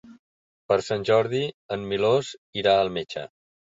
Per Sant Jordi en Milos irà al metge.